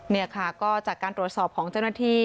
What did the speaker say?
นี่ค่ะก็จากการตรวจสอบของเจ้าหน้าที่